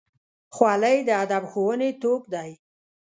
خولۍ د ادب ښوونې توک دی.